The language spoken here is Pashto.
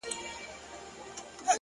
د باران وروسته کوڅه تل نوې ښکاري!.